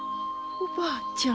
おばあちゃん。